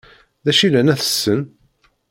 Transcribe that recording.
D acu i llan ad tessen?